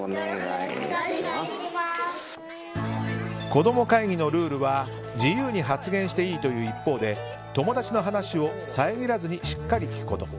こどもかいぎのルールは自由に発言していいという一方で友達の話を遮らずにしっかり聞くこと。